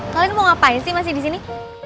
kalian mau ngapain sih masih disini